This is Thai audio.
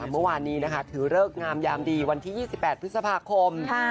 เมื่อวานนี้นะคะถือเลิกงามยามดีวันที่๒๘พฤษภาคม